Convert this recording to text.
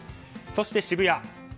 そして、渋谷。